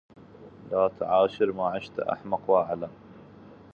لا تعاشر ما عشت أحمق واعلم